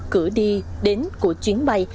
cửa đi đến của chuyến bay